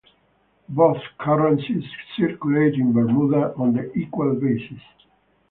Both currencies circulate in Bermuda on an equal basis.